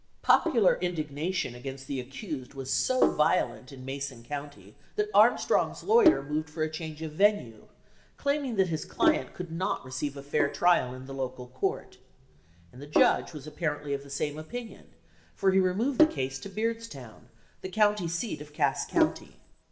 Popular in dignation against the accused was so violent in Mason County that Armstrong's lawyer moved for a change of venue, claiming that his client could not receive a fair trial in the local court; and the judge was apparently of the same opinion, for he removed the case to Beardstown, the county seat of Cass County.